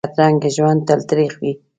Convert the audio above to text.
بدرنګه ژوند تل تریخ وي